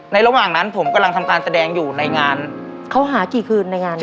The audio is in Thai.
ระหว่างนั้นผมกำลังทำการแสดงอยู่ในงานเขาหากี่คืนในงานนี้